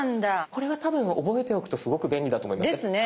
これは多分覚えておくとすごく便利だと思います。ですね。